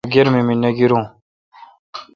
مہ گرمی می نہ گیروں۔